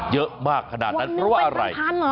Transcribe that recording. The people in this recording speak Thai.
เยอะมากขนาดนั้นเพราะว่าอะไร